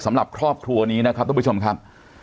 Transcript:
สำหรับครอบครัวนี้นะครับทุกผู้ชมครับ